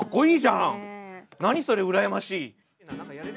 何それ羨ましい！